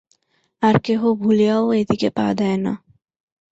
আর কেহ ভুলিয়াও এদিকে পা দেয় না।